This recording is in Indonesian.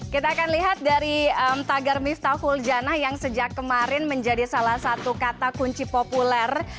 kita akan lihat dari tagar miftahul jana yang sejak kemarin menjadi salah satu kata kunci populer